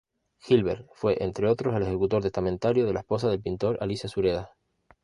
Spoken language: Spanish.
Hilbert fue entre otros el ejecutor testamentario de la esposa del pintor Alicia Sureda.